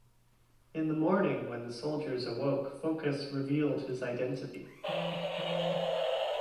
In the morning, when the soldiers awoke, Phocas revealed his identity.